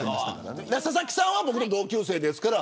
佐々木さんは僕の同級生ですから。